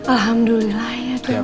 alhamdulillah ya dok